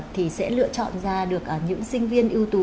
thì sẽ lựa chọn ra được những sinh viên ưu tú